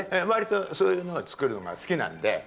わりとそういうのは作るのが好きなんで。